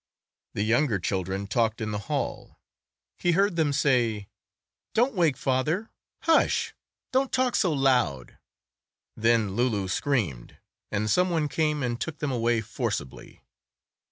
The younger children talked in the hall; he heard them say, "Don't wake father. Hush! Don't talk so loud." Then Loulou screamed, and some one came and took them away forcibly.